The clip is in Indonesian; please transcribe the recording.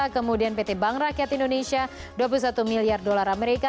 kemudian pt bank rakyat indonesia dua puluh satu miliar dolar amerika